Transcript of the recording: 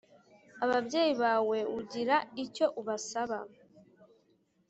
ababyeyi bawe ugira icyo ubasaba